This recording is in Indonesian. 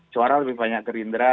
suara lebih banyak gerindra